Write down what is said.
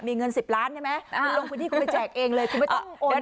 มีเงิน๑๐ล้านใช่ไหมคุณลงพื้นที่คุณไปแจกเองเลยคุณไม่ต้องโอน